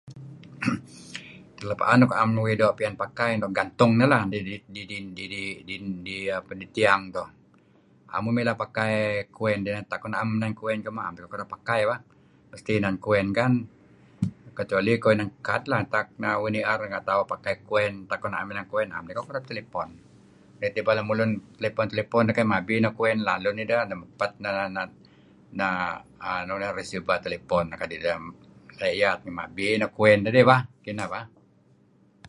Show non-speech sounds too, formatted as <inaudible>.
<coughs> Luk am uih doo' piyan pakai luk gantung dih lah di [stammers] tiang tu. Am uih milah pakai coin dih tak na'em coin kemuh na'em idih kereb pakai bah mesti inan coin kan kecuali iko inan kad lah. Tak uih ni'er tauh pakai coin tak iko na'em coin am iko kereb telepon. Neh teh ibal lemulun telepon-telepon deh keh mabi deh coin deh daluh nidah tu'en deh mepet neh [stammers] receiver telepon dih kadi' deh laya' iyat mabi neh coin dah bah. Kinah bah.